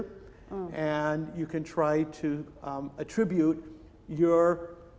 dan anda bisa mencoba mengatasi